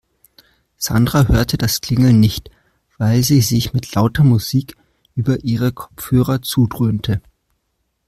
Sandra hörte das Klingeln nicht, weil sie sich mit lauter Musik über ihre Kopfhörer zudröhnte.